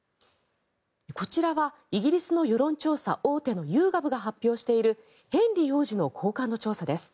こちらはイギリスの世論調査大手のユーガブが発表しているヘンリー王子の好感度調査です。